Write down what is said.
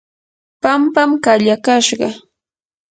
pampam kayakashqa.